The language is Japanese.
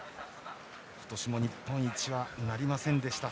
今年も日本一はなりませんでした。